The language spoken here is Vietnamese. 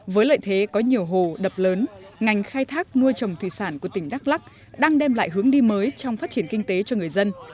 với lợi thế có nhiều hồ đập lớn ngành khai thác nuôi trồng thủy sản của tỉnh đắk lắc đang đem lại hướng đi mới trong phát triển kinh tế cho người dân